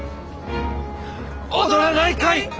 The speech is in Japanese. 踊らないかい？